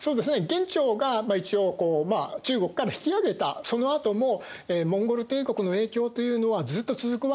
元朝が一応中国から引き上げたそのあともモンゴル帝国の影響というのはずっと続くわけですね。